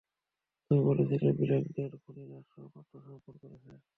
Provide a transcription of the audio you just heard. তুমি বলেছিলে ব্ল্যাক ডের খুনিরা সব আত্মসমর্পণ করেছে?